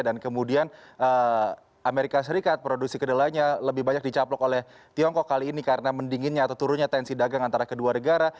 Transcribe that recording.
dan kemudian amerika serikat produksi kedelainya lebih banyak dicapok oleh tiongkok kali ini karena mendinginnya atau turunnya tensi dagang antara kedua negara